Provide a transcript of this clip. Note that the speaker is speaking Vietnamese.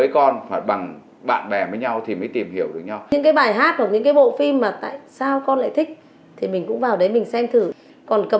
con bán để con mua những cái thần tượng cái tranh ảnh này của con đúng không